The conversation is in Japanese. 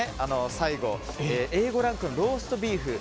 最後、Ａ５ランクのローストビーフ。